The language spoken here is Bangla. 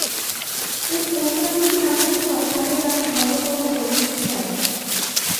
এর পরিণাম যদি এমনই হয়, তাহলে আমি ধর্ম-কর্ম করতে চাই না।